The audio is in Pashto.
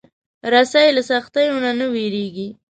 رسۍ له سختیو نه نه وېرېږي.